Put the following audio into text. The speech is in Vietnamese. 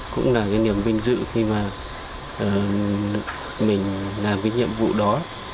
cũng là cái niềm vinh dự khi mà mình làm cái nhiệm vụ đó